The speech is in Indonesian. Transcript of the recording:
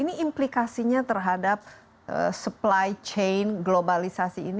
ini implikasinya terhadap supply chain globalisasi ini